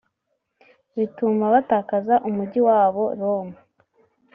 bituma batakaza umujyi wabo Roma